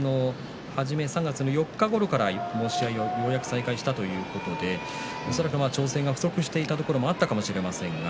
３月７日ごろからようやく稽古を再開したということですが調整が不足していたところがあったかもしれません。